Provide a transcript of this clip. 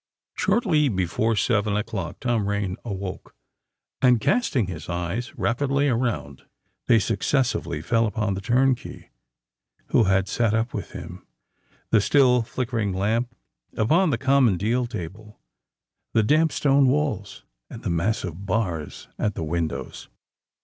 Shortly before seven o'clock Tom Rain awoke; and casting his eyes rapidly around, they successively fell upon the turnkey who had sate up with him—the still flickering lamp upon the common deal table—the damp stone walls—and the massive bars at the windows.